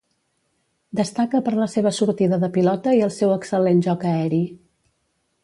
Destaca per la seva sortida de pilota i el seu excel·lent joc aeri.